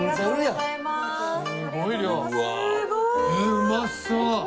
うまそう！